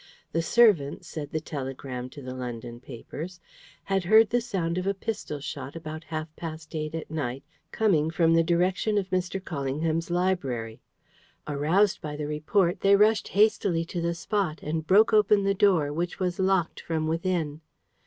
The servants, said the telegram to the London papers, had heard the sound of a pistol shot, about half past eight at night, coming from the direction of Mr. Callingham's library. Aroused by the report, they rushed hastily to the spot, and broke open the door, which was locked from within.